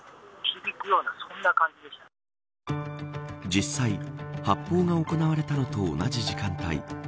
実際、発砲が行われたのと同じ時間帯。